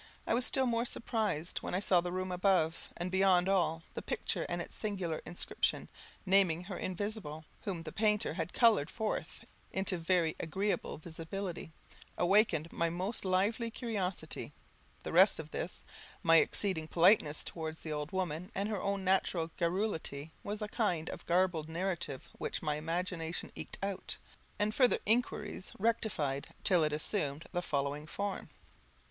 I was still more surprised when I saw the room above; and beyond all, the picture and its singular inscription, naming her invisible, whom the painter had coloured forth into very agreeable visibility, awakened my most lively curiosity: the result of this, of my exceeding politeness towards the old woman, and her own natural garrulity, was a kind of garbled narrative which my imagination eked out, and future inquiries rectified, till it assumed the following form.